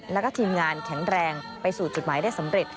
แล้วก็ทีมงานแข็งแรงไปสู่จุดหมายได้สำเร็จ